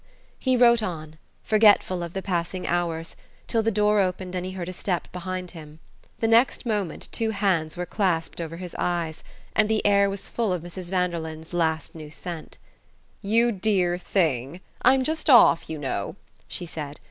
He wrote on, forgetful of the passing hours, till the door opened and he heard a step behind him. The next moment two hands were clasped over his eyes, and the air was full of Mrs. Vanderlyn's last new scent. "You dear thing I'm just off, you know," she said.